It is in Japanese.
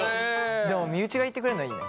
でも身内が言ってくれんのはいいね。